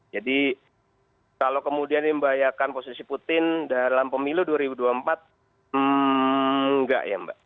jadi kalau kemudian membahayakan posisi putin dalam pemilu dua ribu dua puluh empat enggak ya mbak